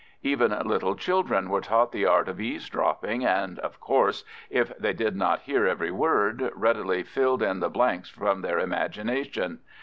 Even little children were taught the art of eavesdropping, and, of course, if they did not hear every word, readily filled in the blanks from their imagination.